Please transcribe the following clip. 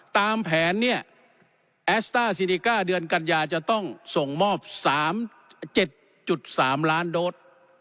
ตามแผนเนี้ยแอสต้าซินิก้าเดือนกันยาจะต้องส่งมอบสามเจ็ดจุดสามล้านโดด